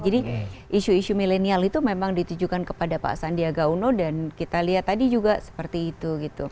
jadi isu isu milenial itu memang ditujukan kepada pak sandi agak uno dan kita lihat tadi juga seperti itu gitu